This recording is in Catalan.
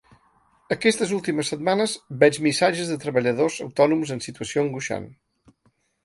Aquestes últimes setmanes veig missatges de treballadors autònoms en situació angoixant.